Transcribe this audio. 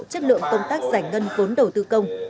chất lượng công tác giải ngân vốn đầu tư công